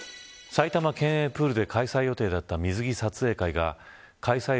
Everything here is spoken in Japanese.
埼玉県営プールで開催予定だった水着撮影会が開催